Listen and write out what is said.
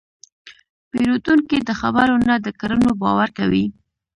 پیرودونکی د خبرو نه، د کړنو باور کوي.